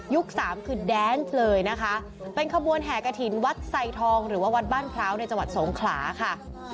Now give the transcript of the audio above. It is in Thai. สามคือแดนส์เลยนะคะเป็นขบวนแห่กระถิ่นวัดไซทองหรือว่าวัดบ้านพร้าวในจังหวัดสงขลาค่ะ